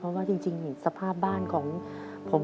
เพราะว่าจริงสภาพบ้านของผม